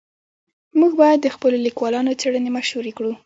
موږ باید د خپلو لیکوالانو څېړنې مشهورې کړو.